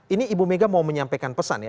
ini ibu mega mau menyampaikan pesan ya